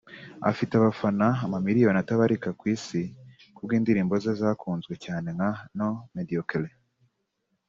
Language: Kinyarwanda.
afite abafana amamiliyoni atabarika ku Isi ku bw’indirimbo ze zakunzwe cyane nka ’No Mediocre’